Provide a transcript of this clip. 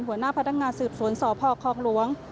หัวหน้าพนักงานสืบสวนสพคลองหลวง